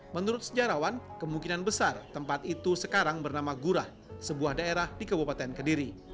menurut sejarawan kemungkinan besar tempat itu sekarang bernama gurah sebuah daerah di kabupaten kediri